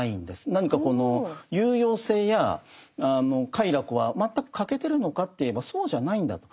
何かこの有用性や快楽は全く欠けてるのかといえばそうじゃないんだと。